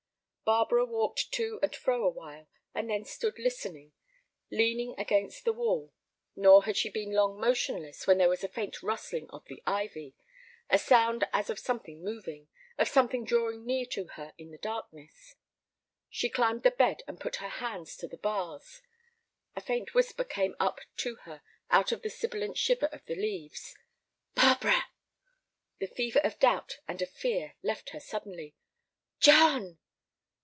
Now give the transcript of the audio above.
Barbara walked to and fro awhile, and then stood listening, leaning against the wall. Nor had she been long motionless when there was a faint rustling of the ivy, a sound as of something moving, of something drawing near to her in the darkness. She climbed the bed and put her hands to the bars. A faint whisper came up to her out of the sibilant shiver of the leaves. "Barbara!" The fever of doubt and of fear left her suddenly. "John!"